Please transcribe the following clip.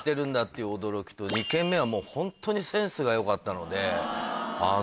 いう驚きと２軒目はもうホントにセンスが良かったので。